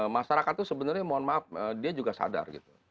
masyarakat itu sebenarnya mohon maaf dia juga sadar gitu